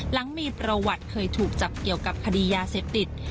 หลังมีประวัติเคยถูกจับเกี่ยวกับคดียาเสพติด